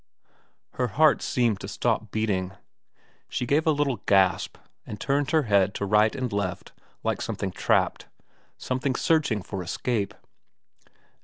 Her heart seemed to stop beating. She gave a little gasp, and turned her head to right and left like some thing trapped, something searching for escape.